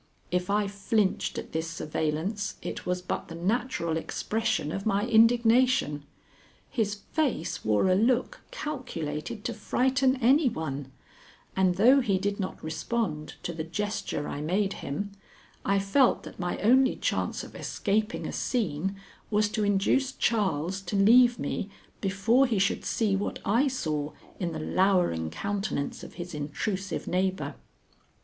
If I flinched at this surveillance, it was but the natural expression of my indignation. His face wore a look calculated to frighten any one, and though he did not respond to the gesture I made him, I felt that my only chance of escaping a scene was to induce Charles to leave me before he should see what I saw in the lowering countenance of his intrusive neighbor.